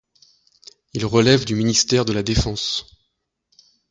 Il relève du ministère de la Défense.